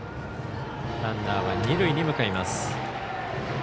ランナーは二塁に向かいます。